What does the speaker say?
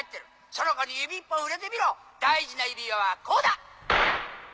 その子に指一本触れてみろ大事な指輪はこうだ！